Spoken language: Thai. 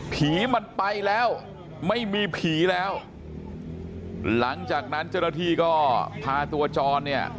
ผีมันไปแล้วไม่มีผีแล้วหลังจากนั้นเจ้าหน้าที่ก็พาตัวจรเนี่ย